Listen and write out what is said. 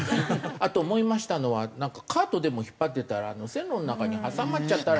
あと思いましたのはなんかカートでも引っ張ってたら線路の中に挟まっちゃったら。